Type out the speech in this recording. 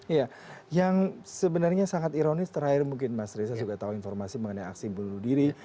iya yang sebenarnya sangat ironis terakhir mungkin mas reza juga tahu informasi mengenai aksi bunuh diri